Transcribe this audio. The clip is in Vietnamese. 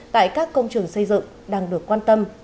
tại các công trường xây dựng đang được quan tâm